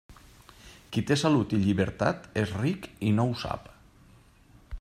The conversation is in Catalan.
Qui té salut i llibertat és ric i no ho sap.